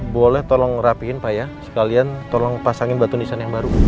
boleh tolong rapihin pak ya sekalian tolong pasangin batu nisan yang baru